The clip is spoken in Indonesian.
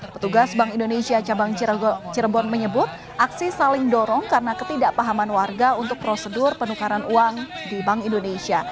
petugas bank indonesia cabang cirebon menyebut aksi saling dorong karena ketidakpahaman warga untuk prosedur penukaran uang di bank indonesia